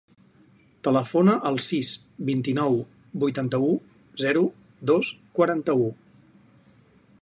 Telefona al sis, vint-i-nou, vuitanta-u, zero, dos, quaranta-u.